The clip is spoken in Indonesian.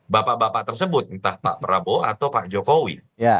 bapak bapak tersebut entah pak prabowo atau pak jokowi